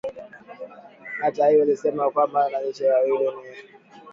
hata hivyo linasisitiza kwamba wanajeshi hao wawili ni